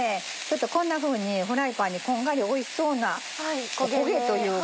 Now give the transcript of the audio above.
こんなふうにフライパンにこんがりおいしそうなお焦げというか。